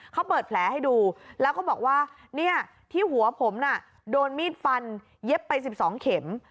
เขาเปิดแผลให้ดูแล้วก็บอกว่าเนี่ยที่หัวผมน่ะโดนมีดฟันเย็บไป๑๒เข็ม